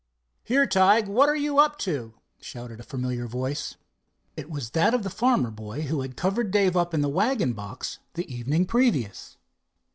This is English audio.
"Here, Tige, what are you up to?" shouted a familiar voice. It was that of the farmer boy who had covered Dave up in the wagon box the evening previous.